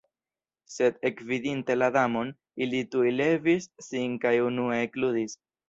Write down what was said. Sed ekvidinte la Damon, ili tuj levis sin kaj enue ekludis.